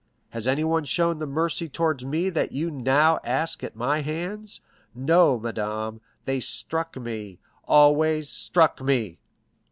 Has anyone shown the mercy towards me that you now ask at my hands? No, madame, they struck me, always struck me!